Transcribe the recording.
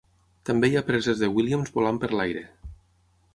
També hi ha preses de Williams volant per l'aire.